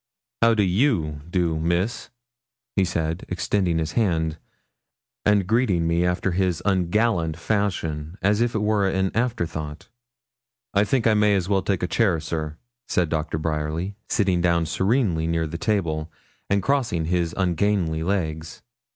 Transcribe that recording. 'How do you do, Miss?' he said, extending his hand, and greeting me after his ungallant fashion, as if it were an afterthought. 'I think I may as well take a chair, sir,' said Doctor Bryerly, sitting down serenely, near the table, and crossing his ungainly legs.